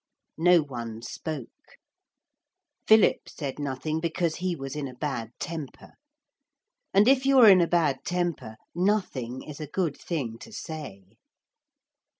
No one spoke. Philip said nothing because he was in a bad temper. And if you are in a bad temper, nothing is a good thing to say.